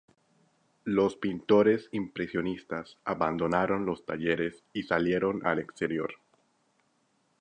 Los pintores impresionistas abandonaron los talleres y salieron al exterior.